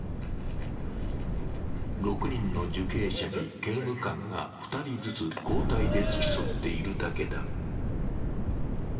６人の受刑者に刑務官が２人ずつ交代で付き添っているだけだ。